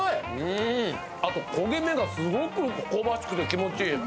焦げ目がすごく香ばしくて気持ちいい。